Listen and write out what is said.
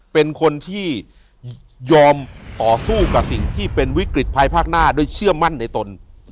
เป็นคนที่ยอมต่อสู้กับสิ่งที่เป็นวิกฤตภายภาคหน้าด้วยเชื่อมั่นในตน